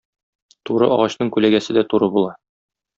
Туры агачның күләгәсе дә туры була.